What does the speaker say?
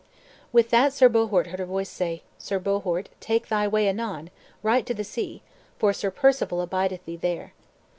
With that Sir Bohort heard a voice say, "Sir Bohort, take thy way anon, right to the sea, for Sir Perceval abideth thee there."